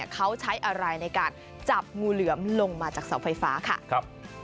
เขาใช้อะไรในการจับงูเหลือมลงมาจากเสาไฟฟ้าค่ะ